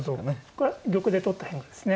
これは玉で取った変化ですね。